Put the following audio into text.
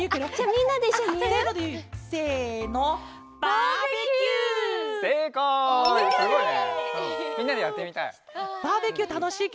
みんなでやってみたい。